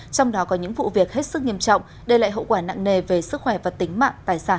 trong đó có những vụ việc hết sức nghiêm trọng để lại hậu quả nặng nề về sức khỏe và tính mạng tài sản